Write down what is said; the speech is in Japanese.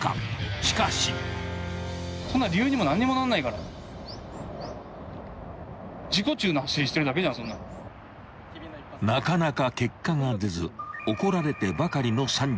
［しかし］［なかなか結果が出ず怒られてばかりの３２歳］